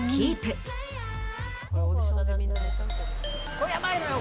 これやばいのよ！